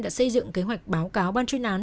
đã xây dựng kế hoạch báo cáo ban chuyên án